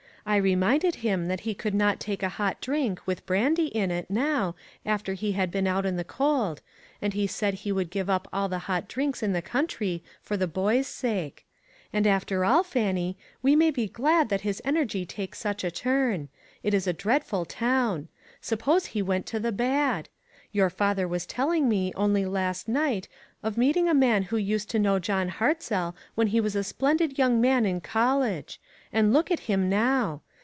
I reminded him that he could not take a hot drink, with brandy in 45O ONE COMMONPLACE DAY. it, now, after he had been out in the cold, and he said he would give up all the hot drinks in the country for the boy's sake. And after all, Fannie, we may be glad that his energy takes such a turn. It is a dreadful town. Suppose he went to the bad? Your father was telling me, only last night, of meeting a man who used to know John Hartzell when he was a splendid young man in college. And look at him now!